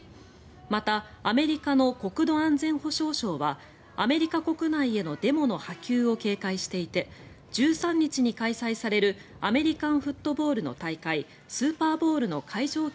また、アメリカの国土安全保障省はアメリカ国内へのデモの波及を警戒していて１３日に開催されるアメリカンフットボールの大会スーパーボウルの会場